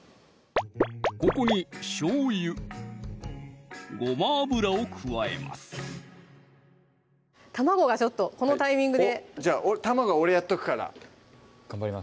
ここにしょうゆ・ごま油を加えます卵がちょっとこのタイミングでじゃあ卵は俺やっとくから頑張ります